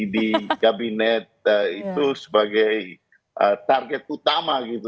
di gabinet itu sebagai target utama untuk pdi perjuangan itu